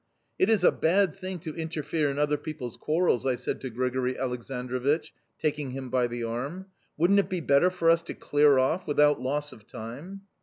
"'It is a bad thing to interfere in other people's quarrels,' I said to Grigori Aleksandrovich, taking him by the arm. 'Wouldn't it be better for us to clear off without loss of time?